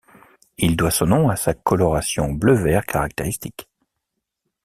Il doit son nom à sa coloration bleu-vert caractéristique.